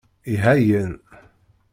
Ihayen.